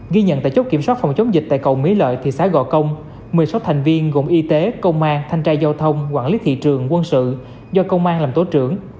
ghi nhận tại chốt kiểm soát phòng chống dịch tại cầu mỹ lợi thị xã gò công một mươi sáu thành viên gồm y tế công an thanh tra giao thông quản lý thị trường quân sự do công an làm tổ trưởng